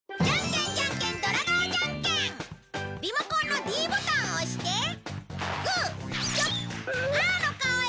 リモコンのｄボタンを押してグーチョキパーの顔を選んで勝負！